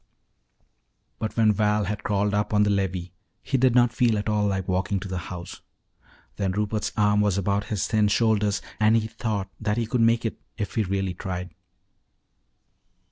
But when Val had crawled up on the levee he did not feel at all like walking to the house. Then Rupert's arm was about his thin shoulders and he thought that he could make it if he really tried.